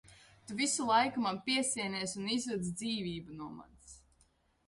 Tu visu laiku man piesienies un izsūc dzīvību no manis!